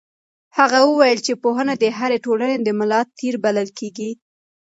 هغه وویل چې پوهنه د هرې ټولنې د ملا تیر بلل کېږي.